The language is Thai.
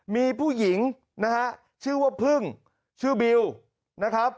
มีผู้หญิงนะฮะชื่อว่าพึ่งชื่อบิวนะครับ